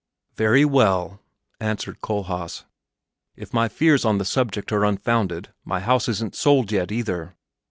"Very well!" answered Kohlhaas; "if my fears on the subject are unfounded, my house isn't sold yet, either.